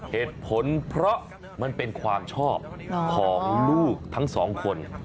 เหตุผลเพราะมันเป็นความชอบของลูกทั้งสองคน